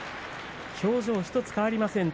表情１つ変わりません